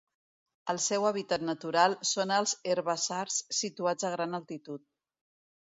El seu hàbitat natural són els herbassars situats a gran altitud.